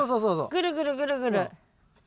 ぐるぐるぐるぐる。